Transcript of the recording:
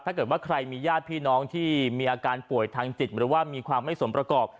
ถ้าเกิดว่าใครมีญาติพี่น้องที่มีอาการป่วยทางจิตหรือว่ามีความไม่สมประกอบ